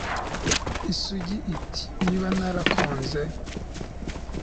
Isugi iti Niba narakunze